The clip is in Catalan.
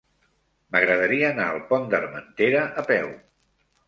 M'agradaria anar al Pont d'Armentera a peu.